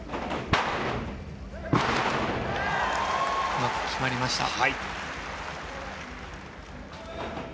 うまく決まりました。